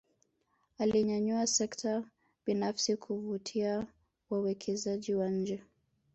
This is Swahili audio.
Alinyanyua sekta binafsi kuvutia wawekezaji wa nje